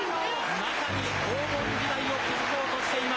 まさに黄金時代を築こうとしています。